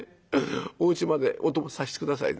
おうちまでお供させて下さい」。